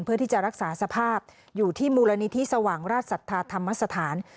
เพื่อที่จะรักษาสภาพอยู่ที่มูลนิธิสว่างราชศรัทธาธรรมสถาน